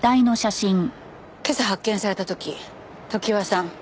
今朝発見された時常盤さん